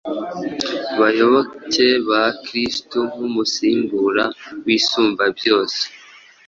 bayoboke ba Kristo nk’umusimbura w’Isumbabyose.